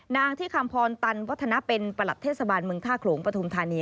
นางที่คำพรตันวัฒนเป็นประหลัดเทศบาลเมืองท่าโขลงปฐุมธานี